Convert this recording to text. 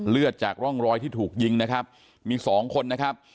จากร่องรอยที่ถูกยิงนะครับมีสองคนนะครับ